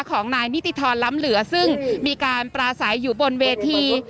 ของนายนิติธรรมล้ำเหลือซึ่งมีการปราศัยอยู่บนเวที